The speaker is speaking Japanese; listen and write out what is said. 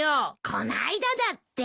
この間だって。